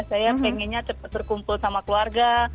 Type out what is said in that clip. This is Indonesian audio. saya pengennya cepat berkumpul sama keluarga